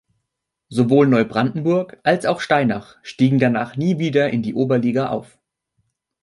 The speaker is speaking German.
Sowohl Neubrandenburg als auch Steinach stiegen danach nie wieder in die Oberliga auf.